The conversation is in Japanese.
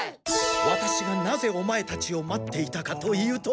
ワタシがなぜオマエたちを待っていたかというと。